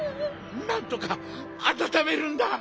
なんとかあたためるんだ！